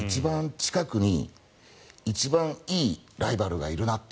近くに一番いいライバルがいるなって。